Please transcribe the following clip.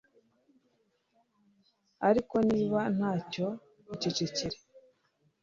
ariko niba nta cyo, icecekere